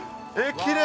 きれい。